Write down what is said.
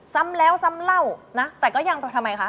ซ้ำแล้วซ้ำเล่านะแต่ก็ยังทำไมคะ